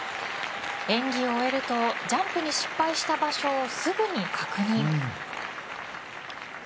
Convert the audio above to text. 演技を終えるとジャンプに失敗した場所をすぐに確認。